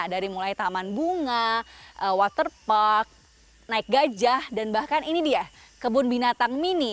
dari mulai taman bunga waterpark naik gajah dan bahkan ini dia kebun binatang mini